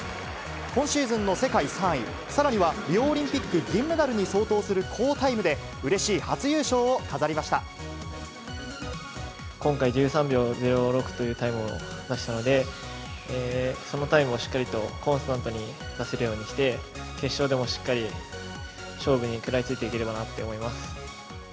今シーズンの世界３位、さらにリオオリンピック銀メダルに相当する好タイムで、うれしい今回、１３秒０６というタイムを出したので、そのタイムをしっかりとコンスタントに出せるようにして、決勝でもしっかり勝負に食らいつけていければなと思います。